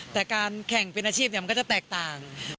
แต่การแข่งเป็นอาชีพมันก็จะแตกต่าง